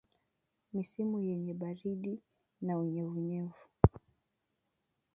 Misimu yenye baridi na unyevunyevu